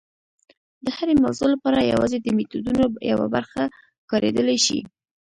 د هرې موضوع لپاره یوازې د میتودونو یوه برخه کارېدلی شي.